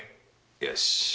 よし。